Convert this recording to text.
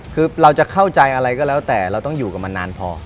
คือเราจะเข้าใจอะไรก็แล้วแต่เราต้องอยู่กับมันนานพอ